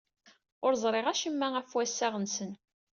Ur ẓriɣ acemma ɣef wassaɣ-nsen.